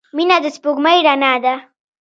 • مینه د سپوږمۍ رڼا ده.